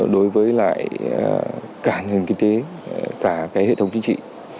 đối với lại cả nền kinh tế cả hệ thống chính trị